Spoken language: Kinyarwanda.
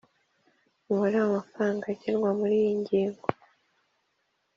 Umubare W amafaranga agenwa muri iyi ngingo